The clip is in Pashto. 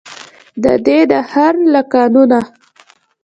ددې دهر له قانونه.